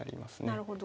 なるほど。